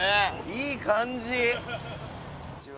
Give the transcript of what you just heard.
いい感じ！